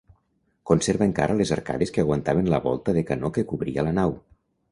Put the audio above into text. Conserva encara les arcades que aguantaven la volta de canó que cobria la nau.